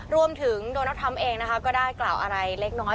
รวมถึงโดนัลดทรัมป์เองนะคะก็ได้กล่าวอะไรเล็กน้อย